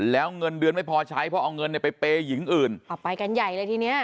แล้วเงินเดือนไม่พอใช้เพราะเอาเงินเนี่ยไปเปย์หญิงอื่นเอาไปกันใหญ่เลยทีเนี้ย